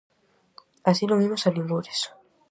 Así non imos a ningures.